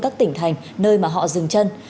các tỉnh thành nơi mà họ dừng chân